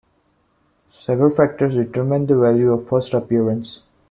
Several factors determine the value of a first appearance.